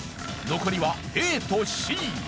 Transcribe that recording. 残りはＡとＣ。